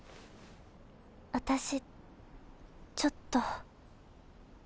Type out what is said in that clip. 私ちょっと。